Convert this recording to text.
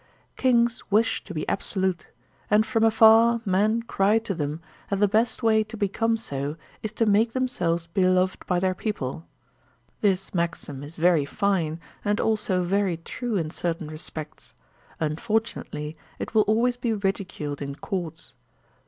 Kings wish to be absolute, and from afar men cry to them that the best way to become so is to make them selves beloved by their people. This maxim is very fine, (63) 64 THE SOCIAL CONTRACT and also very true in certain resx)ects; unfortunately it will always be ridiculed in courts.